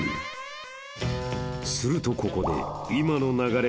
［するとここで］